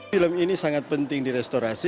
film ini sangat penting di restorasi